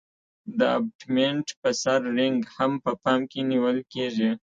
د ابټمنټ په سر رینګ هم په پام کې نیول کیږي